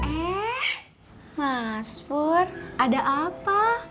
eh mas fur ada apa